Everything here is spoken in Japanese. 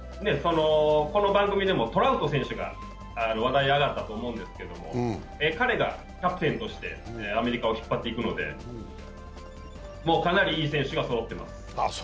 この番組でもトラウト選手が話題に上がったと思うんですけど彼がキャプテンとしてアメリカを引っ張っていくのでもう、かなりいい選手がそろっています。